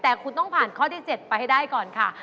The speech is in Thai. แต่คุณต้องผ่านข้อที่๗ไปให้ได้ก่อนค่ะ